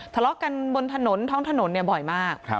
ทะเลาะกันบนถนนท้องถนนบ่อยมาก